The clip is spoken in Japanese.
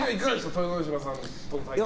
豊ノ島さんとの対決は。